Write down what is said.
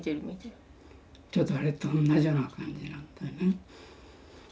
ちょうどあれと同じような感じなんだよね。